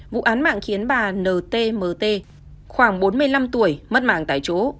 vụ án mạng khiến bà ntmt khoảng bốn mươi năm tuổi mất mạng tại chỗ